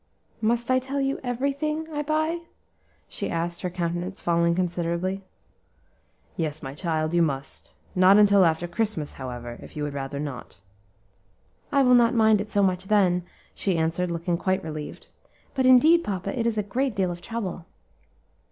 "Must I tell you every thing I buy?" she asked, her countenance falling considerably. "Yes, my child, you must; not until after Christmas, however, if you would rather not." "I will not mind it so much then," she answered, looking quite relieved; "but indeed, papa, it is a great deal of trouble."